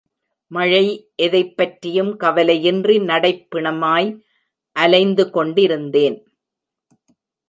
மழை எதைப் பற்றியும் கவலையின்றி நடைப் பிணமாய் அலைந்து கொண்டிருந்தேன்.